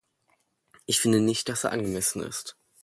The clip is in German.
Ich finde nicht, dass er angemessen ist.